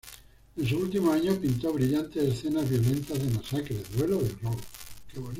En sus últimos años, pintó brillantes escenas violentas, de masacres, duelos y robos.